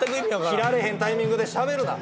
切られへんタイミングでしゃべるな。